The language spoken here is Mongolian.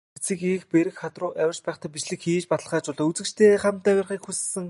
Эгц бэрх хад руу авирч байхдаа бичлэг хийж, баталгаажуулж, үзэгчидтэйгээ хамт авирахыг хүссэн.